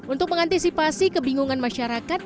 untuk mengantisipasi kebingungan masyarakat